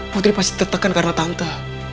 putri pasti tertekan karena tante